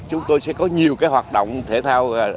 chúng tôi sẽ có nhiều hoạt động thể thao